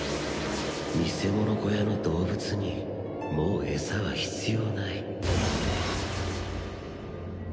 見せ物小屋の動物にもう餌は必要ない。